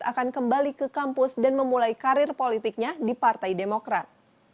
akan kembali ke kampus dan memulai karir politiknya di partai demokrat